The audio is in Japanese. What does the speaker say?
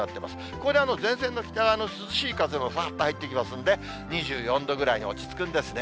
ここで前線の北側の涼しい風がふわーっと入ってきますんで、２４度ぐらいに落ち着くんですね。